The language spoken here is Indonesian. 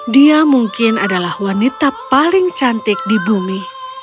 dia mungkin adalah wanita paling cantik di bumi